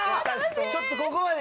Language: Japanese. ちょっとここまで聞いて。